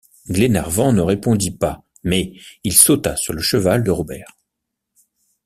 Glenarvan ne répondit pas, mais il sauta sur le cheval de Robert.